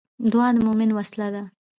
دعا د مومن وسله ده